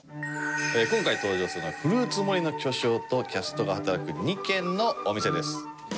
今回登場するのはフルーツ盛りの巨匠とキャストが働く２軒のお店です。